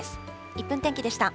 １分天気でした。